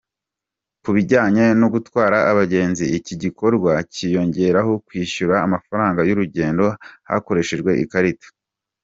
Ku bijyanye no gutwara abagenzi, iki gikorwa kiyongeraho kwishyura amafaranga y’ urugendo hakoreshejwe ikarita.